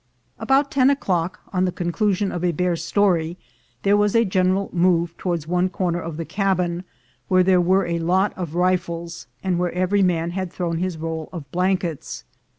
About ten o'clock, at the conclusion of a bear story, there was a general move towards one corner of the cabin where there were a lot of rifles, and where every man had thrown his roll of blankets.